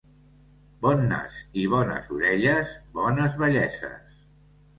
Bon nas i bones orelles, bones velleses.